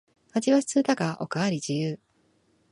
味は普通だがおかわり自由